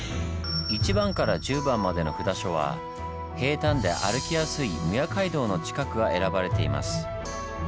１番から１０番までの札所は平たんで歩きやすい撫養街道の近くが選ばれています。